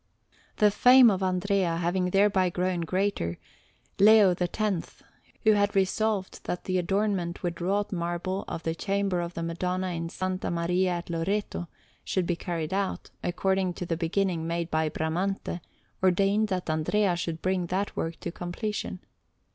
Agostino_) Alinari] The fame of Andrea having thereby grown greater, Leo X, who had resolved that the adornment with wrought marble of the Chamber of the Madonna in S. Maria at Loreto should be carried out, according to the beginning made by Bramante, ordained that Andrea should bring that work to completion.